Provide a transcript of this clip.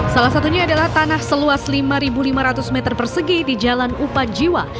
salah satunya adalah tanah seluas lima lima ratus meter persegi di jalan upadjiwa